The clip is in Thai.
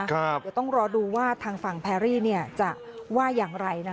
เดี๋ยวต้องรอดูว่าทางฝั่งแพรรี่จะว่าอย่างไร